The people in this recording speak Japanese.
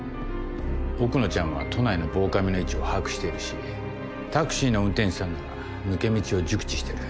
奥野ちゃんは都内の防カメの位置を把握しているしタクシーの運転手さんなら抜け道を熟知してる。